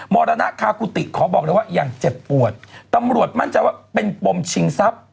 มรณคากุฏิขอบอกเลยว่าอย่างเจ็บปวดตำรวจมั่นใจว่าเป็นปมชิงทรัพย์